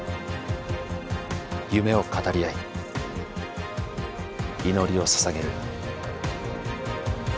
夢を語り合い祈りをささげる。